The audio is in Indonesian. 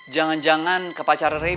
jangan jangan ke pacar rey